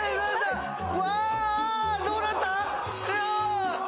わどうなった？